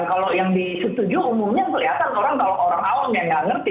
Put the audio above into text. kalau yang disetujui umumnya kelihatan orang kalau orang awam ya nggak ngerti